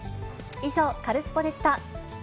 以上、カルスポっ！でした。